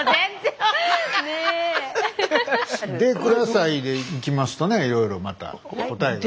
「でください」でいきますとねいろいろまた答えが。